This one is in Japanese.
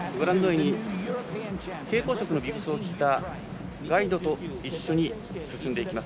蛍光色を着たガイドと一緒に進んでいきます。